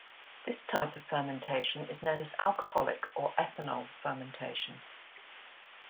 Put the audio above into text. This type of fermentation is known as alcoholic or ethanol fermentation.